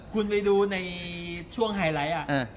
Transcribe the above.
คุณไปดูในช่วงไฮไลท์